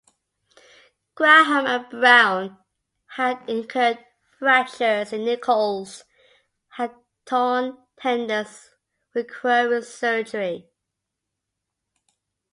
Graham and Brown had incurred fractures and Nichols had torn tendons requiring surgery.